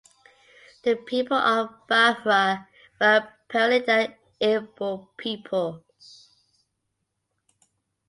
The people of Biafra were primarily the Igbo people.